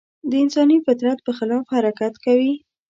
د انساني فطرت په خلاف حرکت کوي.